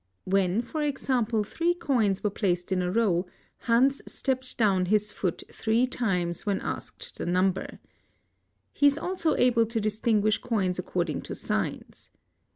When, for Example, thfee coins were placed In a row, Hans stamped down his foot three times when asked the number. He is also able, to distinguish coins according to signs.